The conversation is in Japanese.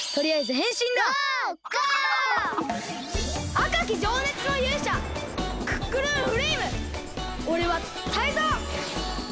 あかきじょうねつのゆうしゃクックルンフレイムおれはタイゾウ！